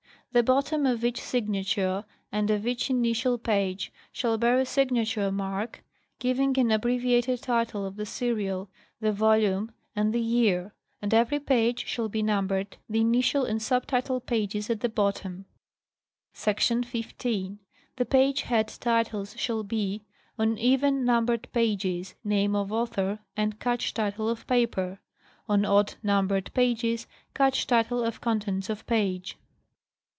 The bottom of each signature and of each initial £ 314 National Geographic Magazine. page shall bear a signature mark giving an abbreviated title of the serial, the volume and the year; and every page shall be numbered, the initial and sub title pages at the bottom. Sec. 15. The page head titles shall be: on even numbered pages, name of author and catch title of paper ; on odd numbered pages, catch title of contents of page.